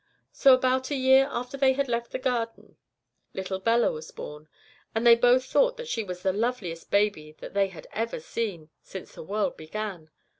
"So about a year after they had left the Garden little Bella was born, and they both thought that she was the loveliest baby that had ever been seen since the world began.